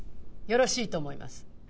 よろしいと思います。